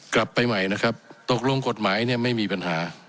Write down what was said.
กลับไปใหม่นะครับตกลงกฎหมายเนี่ยไม่มีปัญหา